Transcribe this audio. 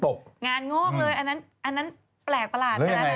งานงกเลยอันนั้นอันนั้นแปลกประหลาดนะ